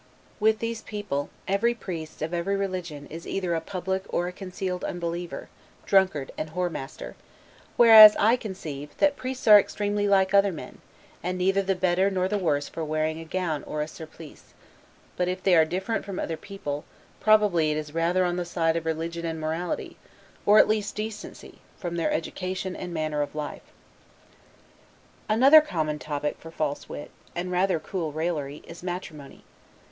With these people, every priest, of every religion, is either a public or a concealed unbeliever, drunkard, and whoremaster; whereas, I conceive, that priests are extremely like other men, and neither the better nor the worse for wearing a gown or a surplice: but if they are different from other people, probably it is rather on the side of religion and morality, or, at least, decency, from their education and manner of life. Another common topic for false wit, and cool raillery, is matrimony.